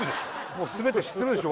もう全て知ってるでしょ